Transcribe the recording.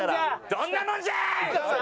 どんなもんじゃい！